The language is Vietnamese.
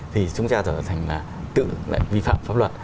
thì chúng ta trở thành là tự lại vi phạm pháp luật